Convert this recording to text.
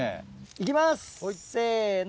行きます！せの。